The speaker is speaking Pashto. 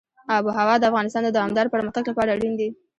آب وهوا د افغانستان د دوامداره پرمختګ لپاره اړین دي.